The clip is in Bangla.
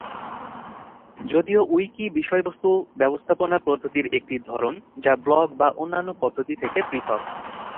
যদিও উইকি বিষয়বস্তু ব্যবস্থাপনা পদ্ধতির একটি ধরন, যা ব্লগ বা অন্যান্য পদ্ধতি থেকে পৃথক।